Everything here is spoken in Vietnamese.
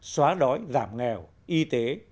xóa đói giảm nghèo y tế